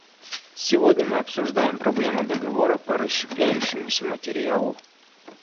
Сегодня мы обсуждаем проблему договора по расщепляющемуся материалу.